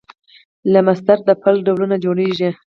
له مصدره د فعل ډولونه جوړیږي.